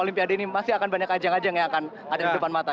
olimpiade ini masih akan banyak ajang ajang yang akan ada di depan mata